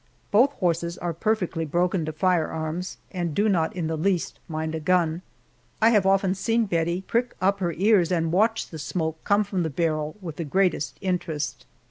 Both horses are perfectly broken to firearms, and do not in the least mind a gun. I have often seen Bettie prick up her ears and watch the smoke come from the barrel with the greatest interest.